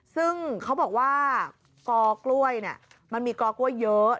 ซึ่งเขาบอกว่ากอกล้วยเนี่ยมันมีกอกล้วยเยอะ